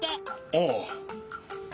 ああ。